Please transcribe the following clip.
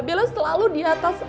bella selalu di atas aku ma